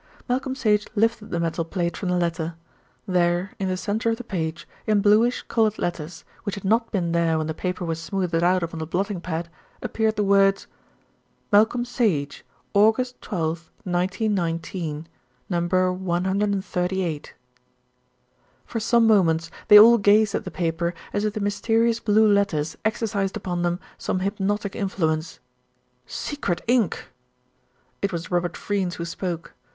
Malcolm Sage lifted the metal plate from the letter. There in the centre of the page, in bluish coloured letters, which had not been there when the paper was smoothed out upon the blotting pad, appeared the words: Malcolm Sage, August 12th, 1919. No. 138. For some moments they all gazed at the paper as if the mysterious blue letters exercised upon them some hypnotic influence. "Secret ink!" It was Robert Freynes who spoke.